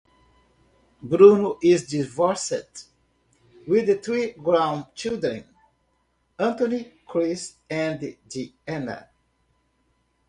Bruno is divorced with three grown children, Anthony, Chris and Deanna.